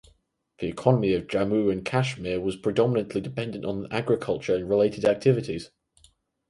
The economy of Jammu and Kashmir was predominantly dependent on agriculture and related activities.